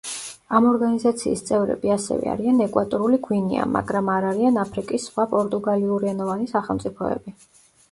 ამ ორგანიზაციის წევრები ასევე არიან ეკვატორული გვინეა, მაგრამ არ არიან აფრიკის სხვა პორტუგალიურენოვანი სახელმწიფოები.